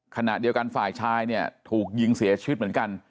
ขณะเดียวกันฝ่ายชายเนี่ยถูกยิงเสียชีวิตเหมือนกัน